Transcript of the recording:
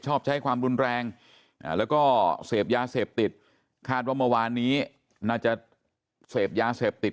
ชอบใช้ความรุนแรงแล้วก็เสพยาเสพติดคาดว่าเมื่อวานนี้น่าจะเสพยาเสพติด